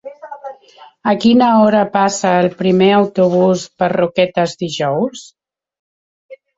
A quina hora passa el primer autobús per Roquetes dijous?